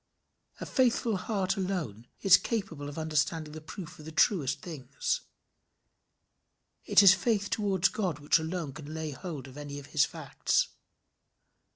A faithful heart alone is capable of understanding the proof of the truest things. It is faith towards God which alone can lay hold of any of his facts.